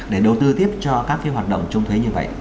để đầu tư tiếp cho các phía hoạt động trung thuế như vậy